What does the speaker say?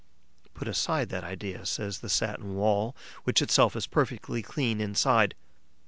Put aside that idea, says the satin wall, which itself is perfectly clean inside.